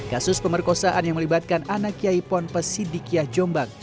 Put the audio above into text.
kasus pemerkosaan yang melibatkan anak yai pon pesidik yah jombang